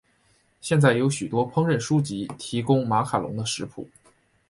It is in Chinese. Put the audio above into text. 现在有许多烹饪书籍提供马卡龙的食谱。